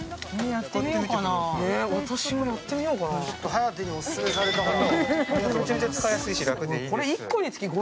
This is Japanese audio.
颯にオススメされたから。